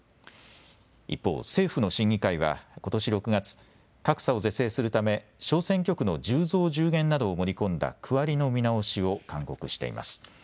一方、政府の審議会はことし６月、格差を是正するため小選挙区の１０増１０減などを盛り込んだ区割りの見直しを勧告しています。